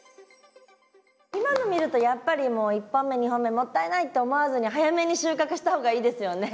今の見るとやっぱりもう１本目２本目もったいないって思わずに早めに収穫した方がいいですよね。